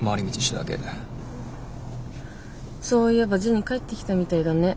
そういえばジュニ帰ってきたみたいだね。